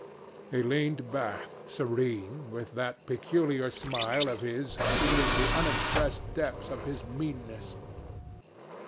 He leaned back, serene, with that peculiar smile of his sealing the unexpressed depths of his meanness.